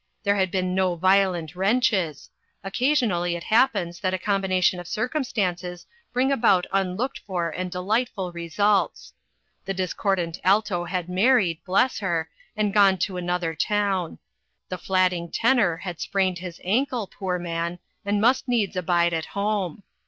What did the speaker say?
There had been no violent wrenches; occasionally it happens that a combination of circumstances bring about unlooked for and delightful results. The dis cordant alto had married, bless her, and gone to another town ; the flatting tenor had sprained his ankle, poor man, and must needs abide at home.